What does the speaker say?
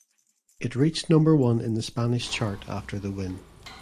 It reached number one in the Spanish chart after the win.